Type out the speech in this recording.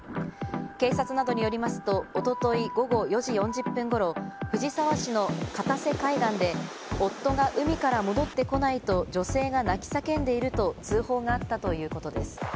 警察などによりますと、おととい午後４時４０分ごろ、藤沢市の片瀬海岸で夫が海から戻ってこないと女性が泣き叫んでいると通報があったということです。